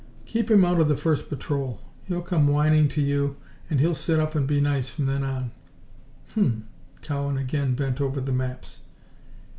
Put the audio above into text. "Keep him out of the first patrol. He'll come whining to you and he'll sit up and be nice from then on." "Hum m!" Cowan again bent over the maps.